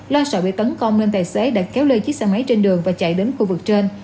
lo sợ bị tấn công nên tài xế đã kéo lê chiếc xe máy trên đường và chạy đến khu vực trên